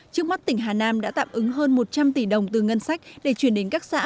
trước mắt tỉnh hà nam đã tạm ứng hơn một trăm linh tỷ đồng từ ngân sách để chuyển đến các xã